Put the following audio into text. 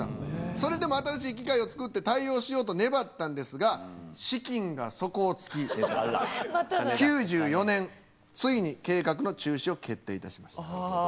それでも新しい機械を作って対応しようと粘ったんですが資金が底をつき９４年ついに計画の中止を決定いたしました。